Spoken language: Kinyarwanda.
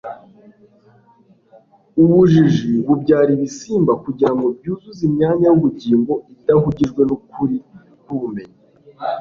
ubujiji bubyara ibisimba kugira ngo byuzuze imyanya y'ubugingo idahugijwe n'ukuri k'ubumenyi